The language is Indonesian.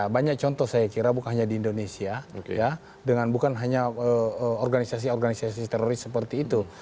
banyak contoh saya kira bukan hanya di indonesia dengan bukan hanya organisasi organisasi teroris seperti itu